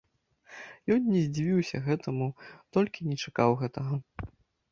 Ён не здзівіўся гэтаму, толькі не чакаў гэтага.